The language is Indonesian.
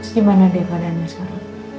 gimana deh keadaannya sekarang